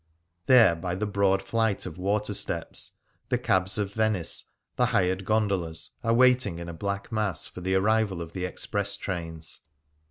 There, by the broad flight of water steps, the cabs of Venice, the hired gondolas, are waiting in a black mass for the arrival of the express trains.